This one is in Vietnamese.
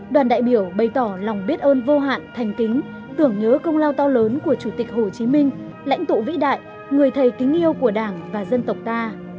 đoàn đại biểu bày tỏ lòng biết ơn vô hạn thành kính tưởng nhớ công lao to lớn của chủ tịch hồ chí minh lãnh tụ vĩ đại người thầy kính yêu của đảng và dân tộc ta